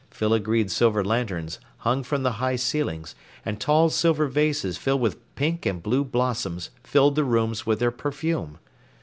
Filigreed silver lanterns hung from the high ceilings, and tall silver vases filled with pink and blue blossoms filled the rooms with their perfume.